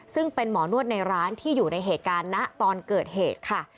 ซึ่งเป็นหมอนวดในร้านที่อยู่ในเหตุการณ์นะตอนเกิดเหตุค่ะ